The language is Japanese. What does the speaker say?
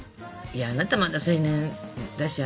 いやあなたまだ青年だし。